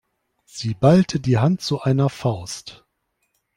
Sie ballte die Hand zu einer Faust.